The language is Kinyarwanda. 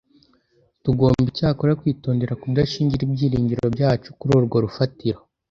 Tugomba icyakora kwitondera kudashingira ibyiringiro byacu kuri urwo rufatiro,